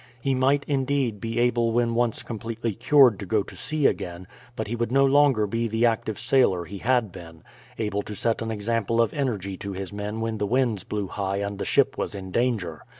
He might, indeed, be able when once completely cured to go to sea again, but he would no longer be the active sailor he had been; able to set an example of energy to his men when the winds blew high and the ship was in danger.